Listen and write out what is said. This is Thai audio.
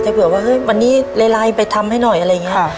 ถ้าเผื่อว่าเฮ้ยวันนี้ไลน์ไปทำให้หน่อยอะไรอย่างนี้